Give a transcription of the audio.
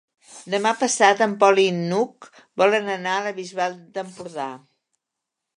Demà passat en Pol i n'Hug volen anar a la Bisbal d'Empordà.